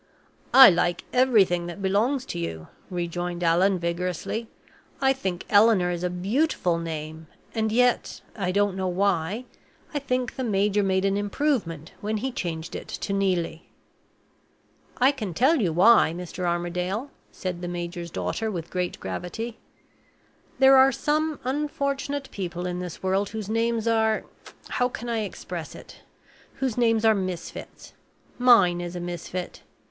"I like everything that belongs to you," rejoined Allan, vigorously. "I think Eleanor is a beautiful name; and yet, I don't know why, I think the major made an improvement when he changed it to Neelie." "I can tell you why, Mr. Armadale," said the major's daughter, with great gravity. "There are some unfortunate people in this world whose names are how can I express it? whose names are misfits. Mine is a misfit.